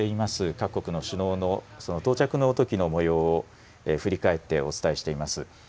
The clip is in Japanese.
各国の首脳の到着のときのもようを振り返ってお伝えしています。